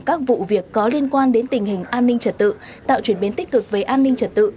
các vụ việc có liên quan đến tình hình an ninh trật tự tạo chuyển biến tích cực về an ninh trật tự